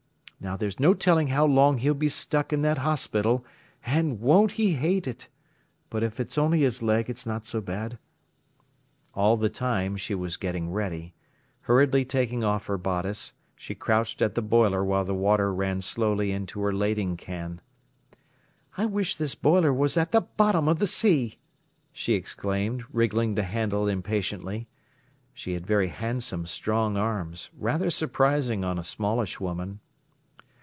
Now there's no telling how long he'll be stuck in that hospital—and won't he hate it! But if it's only his leg it's not so bad." All the time she was getting ready. Hurriedly taking off her bodice, she crouched at the boiler while the water ran slowly into her lading can. "I wish this boiler was at the bottom of the sea!" she exclaimed, wriggling the handle impatiently. She had very handsome, strong arms, rather surprising on a smallish woman.